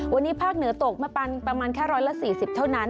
วันนี้ภาคเหนือตกมาปันประมาณแค่ร้อยละสี่สิบเท่านั้น